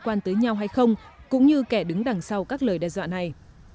quan tới nhau hay không cũng như kẻ đứng đằng sau các lời đe dọa này